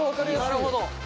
なるほど。